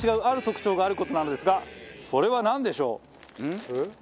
ある特徴がある事なのですがそれはなんでしょう？